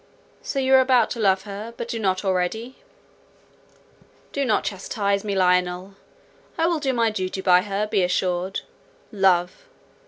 So you are about to love her, but do not already?" "Do not catechise me, Lionel; I will do my duty by her, be assured. Love!